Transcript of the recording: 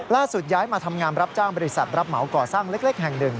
ย้ายมาทำงานรับจ้างบริษัทรับเหมาก่อสร้างเล็กแห่งหนึ่ง